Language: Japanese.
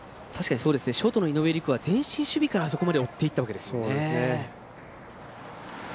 ショートの井上陸は前進守備から、あそこまで追っていったわけですよね。